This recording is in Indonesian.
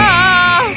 ini bayangan burung